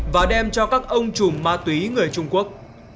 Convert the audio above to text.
và đem cho các ông chùm ma túy người trung quốc